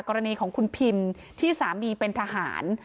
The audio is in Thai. กรณีของคุณพิมที่สามีเป็นทหาร